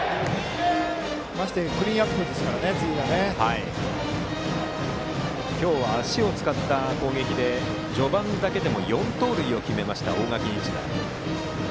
ましてクリーンナップですからね次が。今日は足を使った攻撃で序盤だけでも４盗塁を決めました、大垣日大。